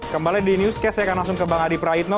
kembali di newscast saya akan langsung ke bang adi praitno